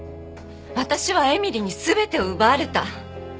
私は絵美里に全てを奪われた。